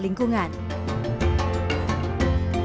menjaga hutan merawat lingkungan